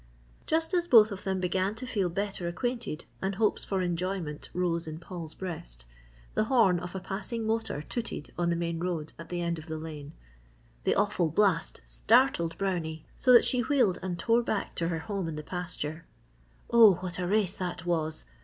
Just as both of them began to feel better acquainted and hopes for enjoyment rose in Paul's breast, the horn of a passing motor tooted on the main road at the end of the lane. The awful blast startled Brownie so that she wheeled and tore back to her home in the pasture. Oh what a race that was!